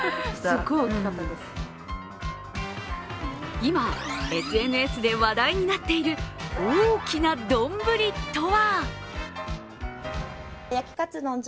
今、ＳＮＳで話題になっている大きな丼とは？